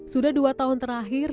sudah dua tahun terakhir